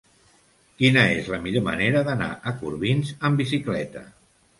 Quina és la millor manera d'anar a Corbins amb bicicleta?